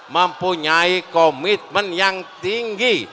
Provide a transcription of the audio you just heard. mempunyai komitmen yang tinggi